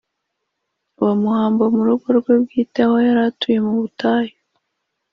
Bamuhamba mu rugo rwe bwite aho yari atuye mu butayu.